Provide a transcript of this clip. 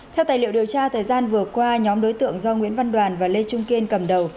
theo tài liệu điều tra thời gian vừa qua nhóm đối tượng do nguyễn văn đoàn và lê trung kiên cầm đầu